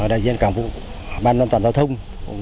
đại diện cảng vụ ban an toàn giao thông